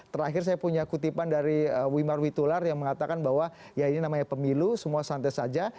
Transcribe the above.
terakhir saya punya kutipan dari wimar witular yang mengatakan bahwa ya ini namanya pemilu semua santai saja